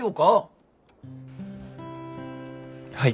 はい。